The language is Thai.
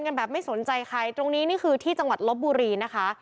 กันแบบไม่สนใจใครตรงนี้นี่คือที่จังหวัดลบบุรีนะคะ